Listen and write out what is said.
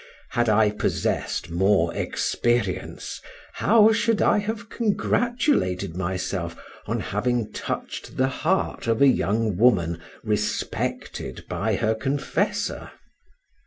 Had I possessed more experience how should I have congratulated myself on having touched the heart of a young woman respected by her confessor!